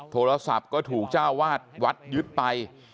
โทรศัพท์ก็ถูกเจ้าวาดวัดยึดไป